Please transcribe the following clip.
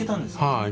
はい。